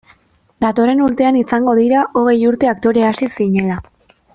Datorren urtean izango dira hogei urte aktore hasi zinela.